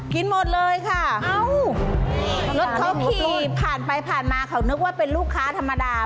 กินหมดเลยค่ะรถเขาขี่ผ่านไปผ่านมาเขานึกว่าเป็นลูกค้าธรรมดา